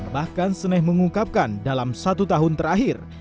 bahkan seneh mengungkapkan dalam satu tahun terakhir